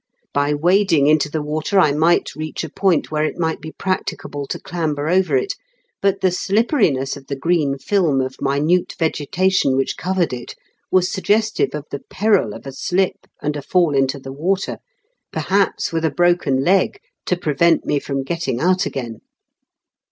By wading into the water I might reach a point where it might be practicable to clamber over it, but the slipperiness of the green film of minute vegetation which covered it was suggestive of the peril of a slip and a fall into the water, perhaps with a broken leg to prevent me from getting out again.